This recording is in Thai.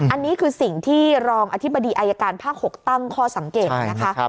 อันนี้คือสิ่งที่รองอธิบดีอายการภาค๖ตั้งข้อสังเกตนะคะ